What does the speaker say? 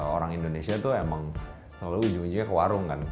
orang indonesia tuh emang selalu ujung ujungnya ke warung kan